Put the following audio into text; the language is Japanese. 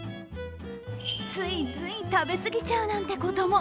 ついつい食べ過ぎちゃうなんてことも。